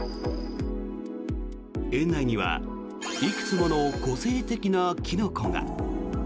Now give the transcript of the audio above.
園内にはいくつもの個性的なキノコが。